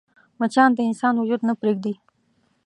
مچان د انسان وجود نه پرېږدي